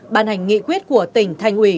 bàn hành nghị quyết của tỉnh thành ủy